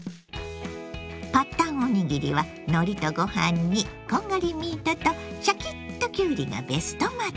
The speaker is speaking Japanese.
パッタンおにぎりはのりとご飯にこんがりミートとシャキッときゅうりがベストマッチ。